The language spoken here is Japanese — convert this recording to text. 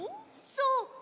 そう！